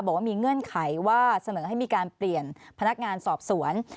บอกว่ามีเงื่อนไขว่าเสนอให้มีการเปลี่ยนพนักงานสอบสวน